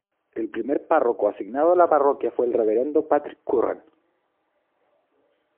El primer párroco asignado a la parroquia fue el reverendo Patrick Curran.